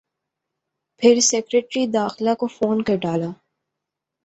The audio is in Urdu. پھر سیکرٹری داخلہ کو فون کر ڈالا۔